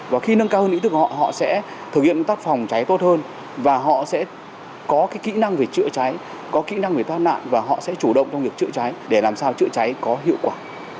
và khi nâng cao hơn ý thức của họ họ sẽ thực hiện tác phòng cháy tốt hơn và họ sẽ có kỹ năng về chữa cháy có kỹ năng về thoát nạn và họ sẽ chủ động trong việc chữa cháy để làm sao chữa cháy có hiệu quả